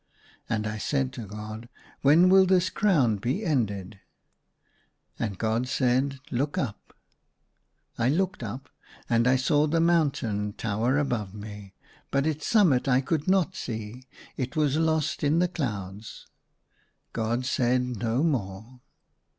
And I said to God, " When will this crown be ended ?" And God said, " Look up!" I looked up ; and I saw the mountain tower above me, but its summit I could not see ; it was lost in the clouds. God said no more.